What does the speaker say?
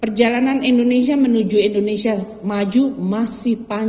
perjalanan indonesia menuju indonesia maju masih panjang